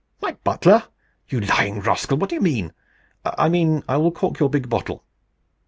"My butler! you lying rascal? What do you mean?" "I mean, I will cork your big bottle."